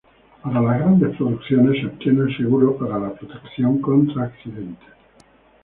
Para las grandes producciones, se obtiene el seguro para la protección contra accidentes.